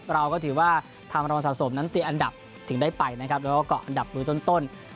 เราก็ถือว่าทางรองสะสมนั้นติดอันดับถึงได้ไปนะครับแล้วก็เกาะอันดับมือต้น